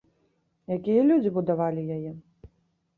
Якія людзі будавалі яе?